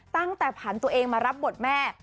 ตั้งแต่ผ่านตัวเองมารับบทแม่